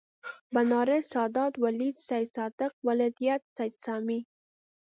بنارس سادات ولد سیدصادق ولدیت سید سامي